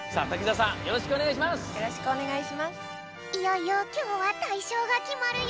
いよいよきょうはたいしょうがきまるよ。